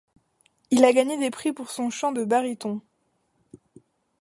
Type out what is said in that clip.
Il a gagné des prix pour son chant de baryton.